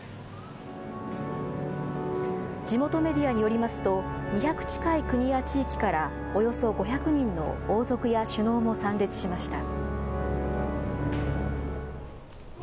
地元メディアによりますと、２００近い国や地域から、およそ５００人の王族や首脳も参列しました。